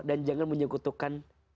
dan jangan menyekutukan